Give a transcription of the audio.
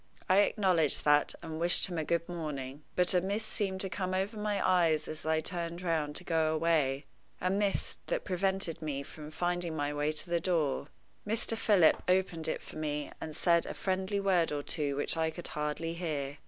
I acknowledged that, and wished him good morning. But a mist seemed to come over my eyes as I turned round to go away a mist that prevented me from finding my way to the door. Mr. Philip opened it for me, and said a friendly word or two which I could hardly hear.